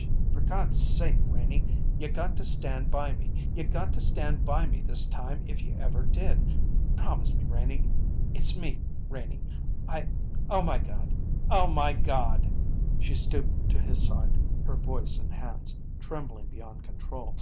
"'Sh h h! For God's sake, Renie, you got to stand by me; you got to stand by me this time if you ever did! Promise me, Renie! It's me, Renie. I Oh, my God! Oh, my God!" She stooped to his side, her voice and hands trembling beyond control.